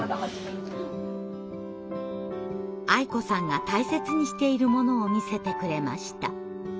あい子さんが大切にしているものを見せてくれました。